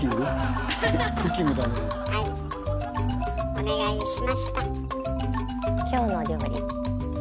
お願いしました。